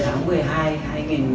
thì người ta giấu kín mình mà